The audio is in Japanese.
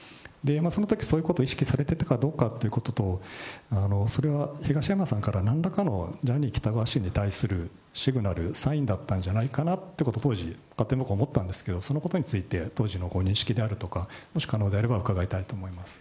そのときそういうことを意識されていたかどうかっていうことと、それは東山さんから、なんらかのジャニー喜多川氏に対するシグナル、サインだったんじゃないかなということを、当時、勝手に僕は思ったんですけど、そのことについて、当時のご認識であるとか、もし可能であれば伺いたいと思います。